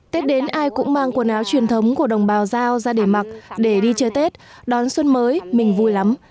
tết đến ai cũng mang quần áo truyền thống của đồng bào giao ra để mặc để đi chơi tết đón xuân mới mình vui lắm